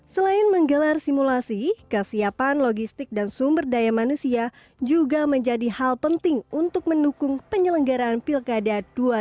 selain menggelar simulasi kesiapan logistik dan sumber daya manusia juga menjadi hal penting untuk mendukung penyelenggaraan pilkada dua ribu dua puluh